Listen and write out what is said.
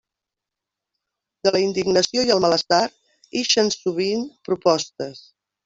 De la indignació i el malestar ixen, sovint, propostes.